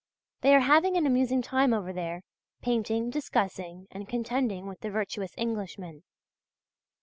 They are having an amusing time over there, painting, discussing, and contending with the virtuous Englishmen.